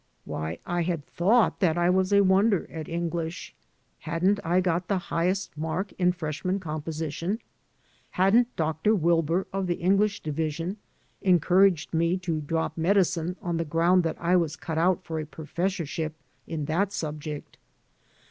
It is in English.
Why, I had thought that I was a wonder at English. Hadn't I got the highest mark in freshman composition? Hadn't Doctor Wilbur, of the English division, encouraged me to drop medicine on the ground that I was cut out for a professorship in that subject?